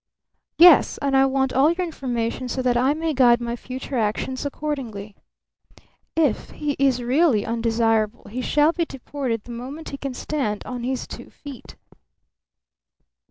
"Yes. And I want all your information so that I may guide my future actions accordingly. If he is really undesirable he shall be deported the moment he can stand on his two feet."